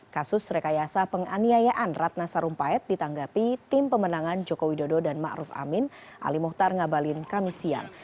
kasus rekayasa penganiayaan ratna sarumpayat ditanggapi tim pemenangan joko widodo dan ma'ruf amin ali mohtar ngabalin kamisian